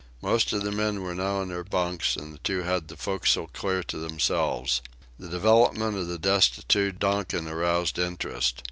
Most of the men were now in their bunks and the two had the forecastle clear to themselves. The development of the destitute Donkin aroused interest.